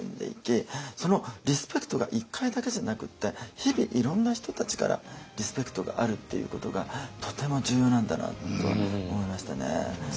リスペクトが１回だけじゃなくって日々いろんな人たちからリスペクトがあるっていうことがとても重要なんだなと思いましたね。